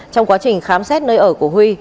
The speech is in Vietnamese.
trong quá trình khám xét nơi ở của huy